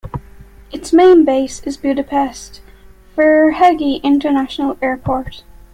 Its main base is Budapest Ferihegy International Airport.